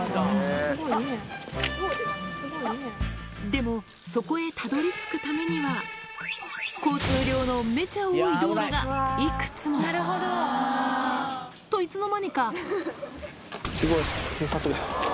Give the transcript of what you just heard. でも、そこへたどりつくためには、交通量のめちゃ多い道路がいくつも。と、すごい、警察が。